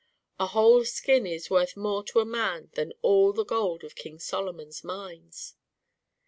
"A whole skin is worth more to a man than all the gold of King Solomon's mines."